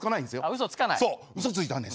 うそつかない。